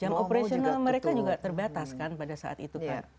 jam operasional mereka juga terbatas kan pada saat itu pak